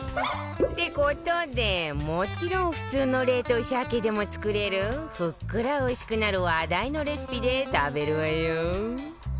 って事でもちろん普通の冷凍鮭でも作れるふっくらおいしくなる話題のレシピで食べるわよ